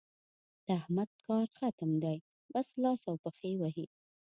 د احمد کار ختم دی؛ بس لاس او پښې وهي.